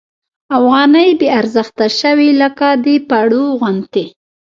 افغانۍ بې ارزښته شوې لکه د پړو غوندې.